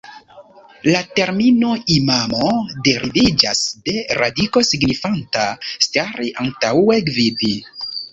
La termino "imamo" deriviĝas de radiko signifanta "stari antaŭe, gvidi".